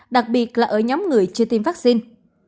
đặc biệt là ở nhóm người chưa tiêm vaccine